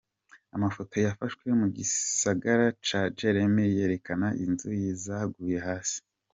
Amafoto yafashwe mu gisagara ca Jeremie yerekana inzu zaguye hasi.